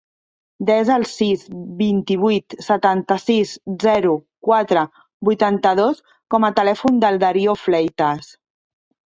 Desa el sis, vint-i-vuit, setanta-sis, zero, quatre, vuitanta-dos com a telèfon del Dario Fleitas.